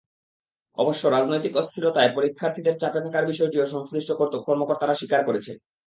অবশ্য রাজনৈতিক অস্থিরতায় পরীক্ষার্থীদের চাপে থাকার বিষয়টিও সংশ্লিষ্ট কর্মকর্তারা স্বীকার করছেন।